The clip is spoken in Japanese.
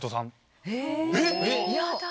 えっ。